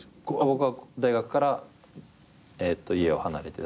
僕は大学から家を離れてだった。